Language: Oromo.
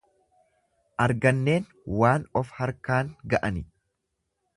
Arganneen waan of harkaan ga'ani.